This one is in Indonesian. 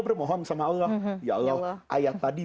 bermohon sama allah ya allah ayat tadi